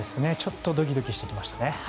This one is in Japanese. ちょっとドキドキしてきましたね。